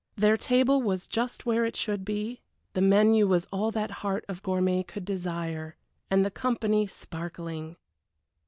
Their table was just where it should be, the menu was all that heart of gourmet could desire, and the company sparkling.